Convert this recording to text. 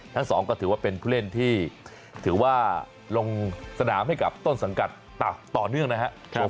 ทั้งสองก็ถือว่าเป็นผู้เล่นที่ถือว่าลงสนามให้กับต้นสังกัดต่อเนื่องนะครับ